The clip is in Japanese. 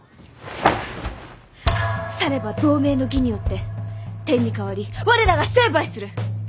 されば同盟の義によって天に代わり我らが成敗する。